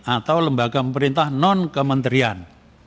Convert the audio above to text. atau lembaga pemerintah non kementerian